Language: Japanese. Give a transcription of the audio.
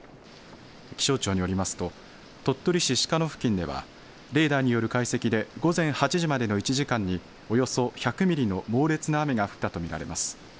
気象庁によりますと鳥取市鹿野付近ではレーダーによる解析で午前８時までの１時間におよそ１００ミリの猛烈な雨が降ったと見られます。